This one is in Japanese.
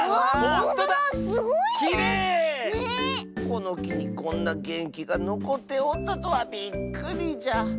このきにこんなげんきがのこっておったとはびっくりじゃ。